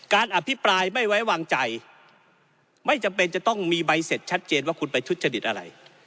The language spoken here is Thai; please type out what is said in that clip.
อภิปรายไม่ไว้วางใจไม่จำเป็นจะต้องมีใบเสร็จชัดเจนว่าคุณไปทุจริตอะไร